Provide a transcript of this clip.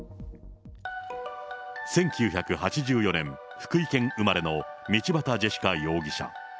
１９８４年、福井県生まれの道端ジェシカ容疑者。